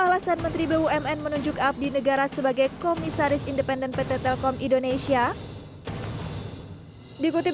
alasan menteri bumn menunjuk abdi negara sebagai komisaris independen pt telkom indonesia dikutip